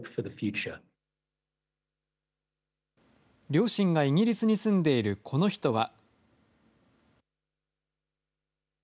両親がイギリスに住んでいるこの人は。